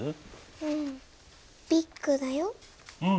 うんビッグだよ。